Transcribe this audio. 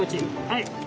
はい。